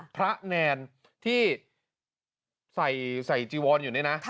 พระแนนที่ใส่จิวรอยู่นี่นะ